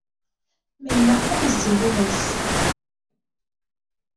Ma ilaq ad nezzi ɣur-s.